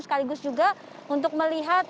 sekaligus juga untuk melihat